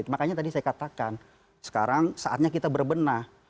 makanya tadi saya katakan sekarang saatnya kita berbenah